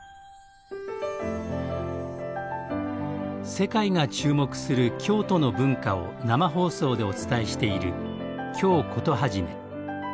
世界が注目する京都の文化を生放送でお伝えしている「京コトはじめ」。